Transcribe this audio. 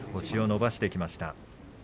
星を伸ばしてきました。